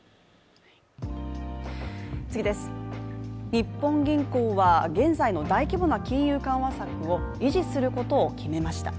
日本銀行は、現在の大規模な金融緩和策を維持することを決めました。